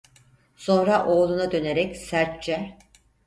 Sonra oğluna dönerek, sertçe: